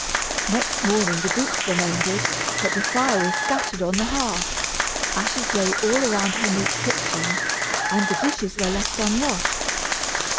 Next morning the boots were mended, but the fire was scattered on the hearth, ashes lay all about her neat kitchen, and the dishes were left unwashed.